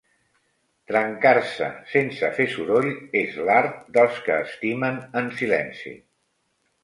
Trencar-se sense fer soroll és l'art dels que estimen en silenci.